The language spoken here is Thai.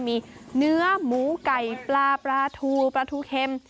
มีเนื้อหมูไก่ปลาปลาทูปลาทูเค็ม